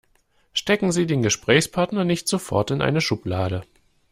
Stecken Sie den Gesprächspartner nicht sofort in eine Schublade.